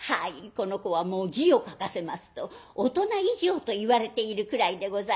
この子はもう字を書かせますと大人以上といわれているくらいでございます。